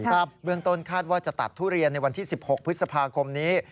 เบื้องต้นคาดว่าจะตัดทุเรียนในวันที่๑๖พฤษภาคมนี้